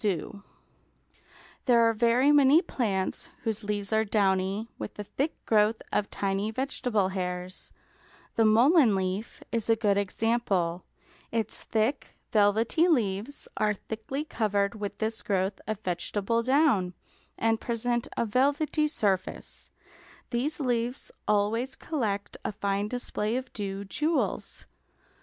Dew upon the down of a leaf] There are very many plants whose leaves are downy, with a thick growth of tiny vegetable hairs; the mullein leaf is a good example, its thick velvety leaves are thickly covered with this growth of vegetable down, and present a velvety surface; these leaves always collect a fine display of dew jewels.